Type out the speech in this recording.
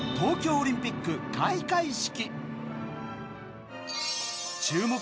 オリンピック開会式。